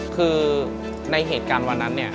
คือในเหตุการณ์วันนั้น